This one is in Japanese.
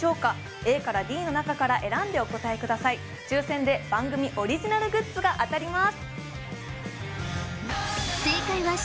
ＡからＤの中から選んでお答えください抽選で番組オリジナルグッズが当たります